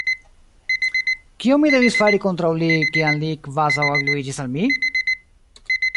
Kion mi devis fari kontraŭ li, kiam li kvazaŭ algluiĝis al mi?